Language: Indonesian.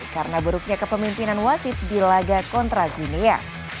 karena buruknya kepemimpinan wasit di laga kontra gunea